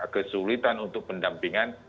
kesulitan untuk pendampingan